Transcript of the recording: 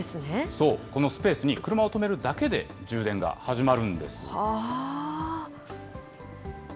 そう、このスペースに車を止めるだけで、充電が始まるんです。